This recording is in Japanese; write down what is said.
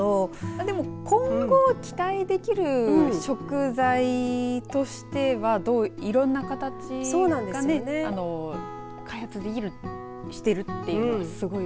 でも今後期待できる食材としてはいろんな形がね開発できるというのはすごい。